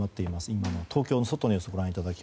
今の東京の外の様子です。